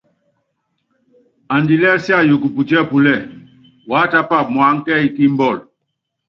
Andilɛ siayukɔ putíɛ́púlɛ, wá tápa muáŋá kɛ́yí kímbɔl.